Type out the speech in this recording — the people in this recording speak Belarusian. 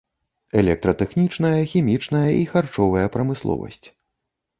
Электратэхнічная, хімічная і харчовая прамысловасць.